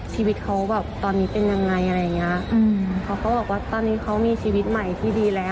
ชีวิตเขาตอนนี้เป็นยังไงเขาบอกว่าตอนนี้เขามีชีวิตใหม่ที่ดีแล้ว